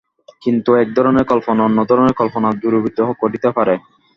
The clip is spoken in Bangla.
কিন্তু একধরনের কল্পনা অন্য ধরনের কল্পনা দূরীভূত করিতে পারে।